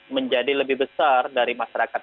menjadi lebih besar dari masyarakat